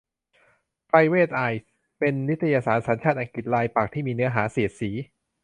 ไพรเวท อายส์ เป็นนิตยสารสัญชาติอังกฤษรายปักษ์ที่มีเนื้อหาเสียดสี